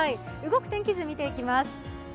動く天気図見ていきます。